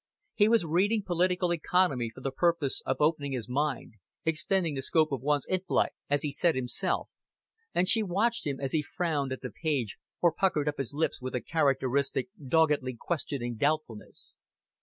He was reading political economy for the purpose of opening his mind, "extending the scope of one's int'lect," as he said himself, and she watched him as he frowned at the page or puckered up his lips with a characteristic doggedly questioning doubtfulness.